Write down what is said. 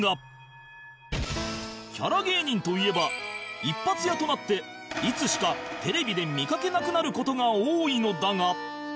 キャラ芸人といえば一発屋となっていつしかテレビで見かけなくなる事が多いのだが